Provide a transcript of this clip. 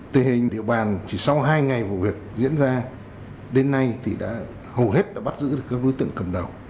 tình hình địa bàn chỉ sau hai ngày vụ việc diễn ra đến nay thì đã hầu hết đã bắt giữ được các đối tượng cầm đầu